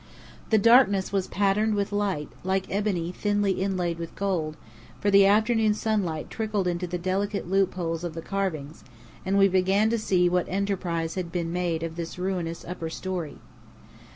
The darkness was patterned with light, like ebony thinly inlaid with gold, for the afternoon sunlight trickled into the delicate loopholes of the carvings, and we began to see what Enterprise had made of this ruinous upper story.